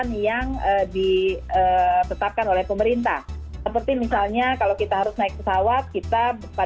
untuk berwisata episode saya sebenarnya dari bulan hari ini sudah roland slash